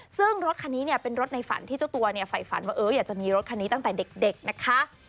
ซึ่งรถคันนี้เนี่ยเป็นรถในฝันที่เจ้าตัวเนี่ยฝ่ายฝันว่าอยากจะมีรถคันนี้ตั้งแต่เด็กนะคะ